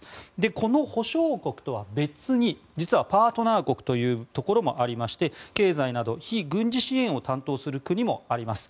この保証国とは別に実はパートナー国というところもありまして経済など非軍事支援を担当する国もあります。